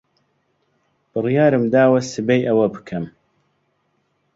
بڕیارم داوە سبەی ئەوە بکەم.